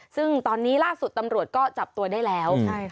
ซึ่งตอนนี้ล่าสุดตำรวจก็จับตัวได้แล้ว